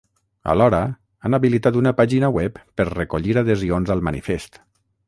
Alhora, han habilitat una pàgina web per recollir adhesions al manifest.